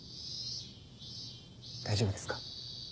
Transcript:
大丈夫ですか？